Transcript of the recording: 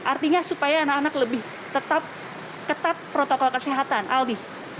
artinya supaya anak anak lebih tetap protokol kesehatan